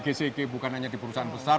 gcg bukan hanya di perusahaan besar